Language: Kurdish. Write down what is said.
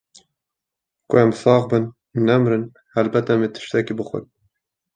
Ku em sax bin nemrin helbet em ê tiştekî bixwin.